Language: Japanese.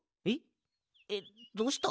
えっどうした？